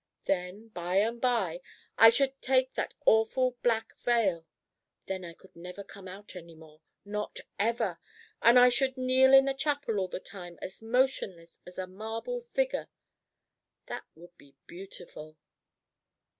Then by and by I should take that awful black veil. Then I could never come out any more not ever! And I should kneel in the chapel all the time as motionless as a marble figure. That would be beautiful."